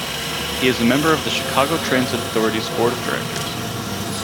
He is a member of the Chicago Transit Authority's board of directors.